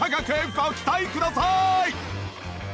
ご期待ください！